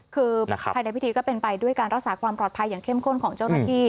คือภายในพิธีก็เป็นไปด้วยการรักษาความปลอดภัยอย่างเข้มข้นของเจ้าหน้าที่